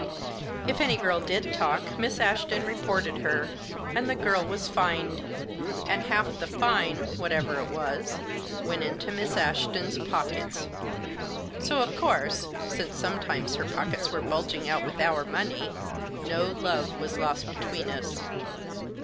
If any girl did talk Miss Ashton reported her, and the girl was fined, and half the fine, whatever it was, went into Miss Ashton's pockets. So, of course — since, sometimes, her pockets were bulging out with our money — no love was lost between us.